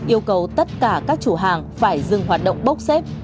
yêu cầu tất cả các chủ hàng phải dừng hoạt động bốc xếp